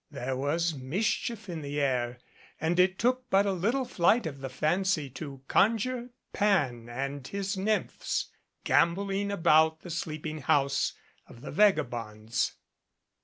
There was mischief in the air and it took but a little flight of the fancy to conjure Pan and his nymphs gamboling about the sleeping house of the vagabonds.